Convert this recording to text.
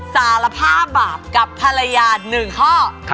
สารภาพบาปกับภรรยา๑ข้อ